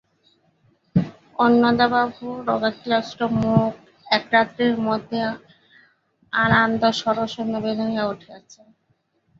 অন্নদাবাবু রোগক্লিষ্ট মুখ এক রাত্রির মধ্যেই আনন্দে সরস ও নবীন হইয়া উঠিয়াছে।